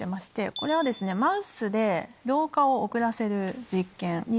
これはマウスで老化を遅らせる実験。